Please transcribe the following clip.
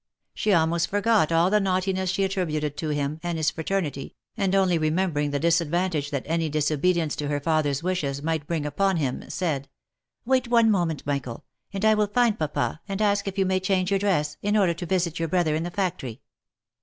she al most forgot all the naughtiness she attributed to him and his fra ternity, and only remembering the disadvantage that any disobedience to her father's wishes might bring upon him, said, " Wait one moment, Michael, and I will find papa, and ask if you may change your dress, in order to visit your brother in the factory."